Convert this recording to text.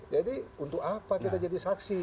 jadi untuk apa kita jadi saksi